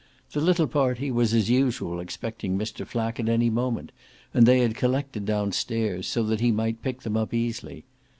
The little party was as usual expecting Mr. Flack at any moment, and they had collected downstairs, so that he might pick them up easily.